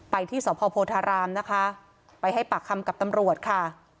ที่สพโพธารามนะคะไปให้ปากคำกับตำรวจค่ะ